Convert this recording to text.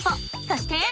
そして！